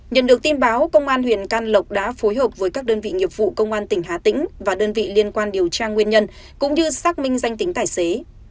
nhận được tin báo công an huyện can lộc đã phối hợp với các đơn vị nghiệp vụ công an tỉnh hà tĩnh và đơn vị liên quan điều tra nguyên nhân cũng như xác minh danh tính tài xế